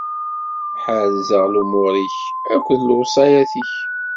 Ḥerrzeɣ lumuṛ-ik akked lewṣayat-ik.